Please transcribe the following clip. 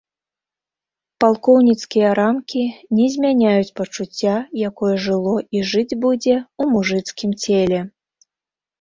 Палкоўніцкія рамкі не змяняюць пачуцця, якое жыло і жыць будзе ў мужыцкім целе.